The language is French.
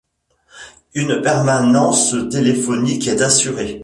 Une permanence téléphonique est assurée.